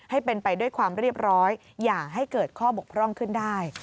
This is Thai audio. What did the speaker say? ให้เป็นไปด้วยความเรียบร้อยอย่าให้เกิดข้อบกพร่องขึ้นได้